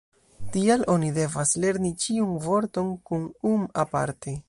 Tial oni devas lerni ĉiun vorton kun -um- aparte.